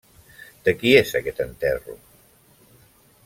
-De qui és aquest enterro?